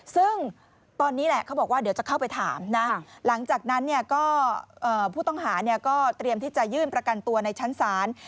ซึ่งตอนนี้แหละเขาบอกว่าเดี๋ยวจะเข้าไปถามนะหลังจากนั้นผู้ต้องหาก็เตรียมที่จะยื่นประกันตัวในชั้นศาล